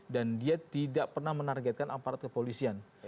dan dia tidak pernah menargetkan aparat kepolisian